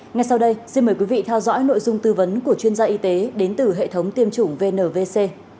ngay sau đây xin mời quý vị theo dõi nội dung tư vấn của chuyên gia y tế đến từ hệ thống tiêm chủng vnvc